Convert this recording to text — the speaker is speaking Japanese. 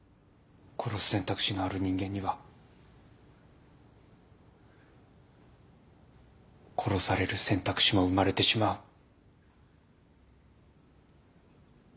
殺す選択肢のある人間には殺される選択肢も生まれてしまう。